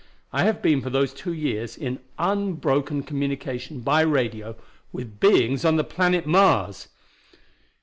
I have been for those two years in unbroken communication by radio with beings on the planet Mars!